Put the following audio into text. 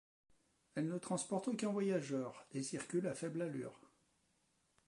Elles ne transportent aucun voyageur, et circulent à faible allure.